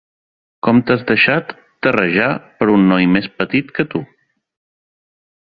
Com t'has deixat terrejar per un noi més petit que tu?